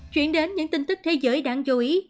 chuyển đến những tin tức thế giới đáng chú ý